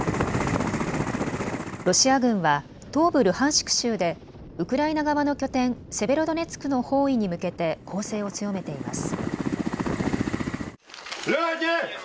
ロシア軍は東部ルハンシク州でウクライナ側の拠点、セベロドネツクの包囲に向けて攻勢を強めています。